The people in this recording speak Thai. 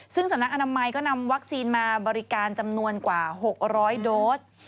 ซึ่งสำนักอนามัยก็นำวัคซีนมาบริการจำนวนกว่า๖๐๐โดส